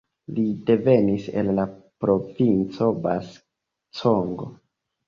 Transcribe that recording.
Li devenis el la Provinco Bas-Congo.